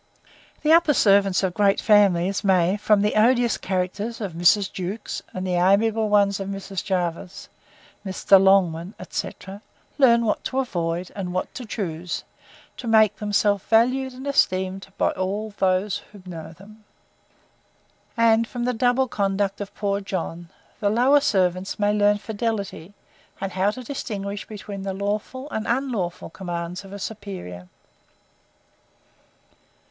The UPPER SERVANTS of great families may, from the odious character of Mrs. JEWKES, and the amiable ones of Mrs. JERVIS, Mr. LONGMAN, etc. learn what to avoid, and what to choose, to make themselves valued and esteemed by all who know them. And, from the double conduct of poor JOHN, the LOWER SERVANTS may learn fidelity, and how to distinguish between the lawful and unlawful commands of a superior.